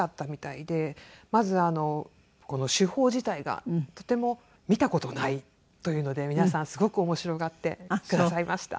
まずこの手法自体がとても見た事ないというので皆さんすごく面白がってくださいました。